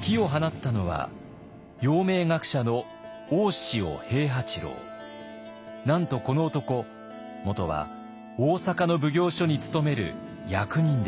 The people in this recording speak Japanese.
火を放ったのは陽明学者のなんとこの男元は大坂の奉行所に勤める役人でした。